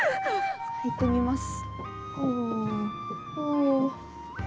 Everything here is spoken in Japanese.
行ってみます。